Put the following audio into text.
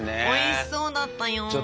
おいしそうだったよ。